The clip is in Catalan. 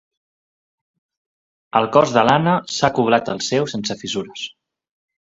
El cos de l'Anna s'ha acoblat al seu sense fisures.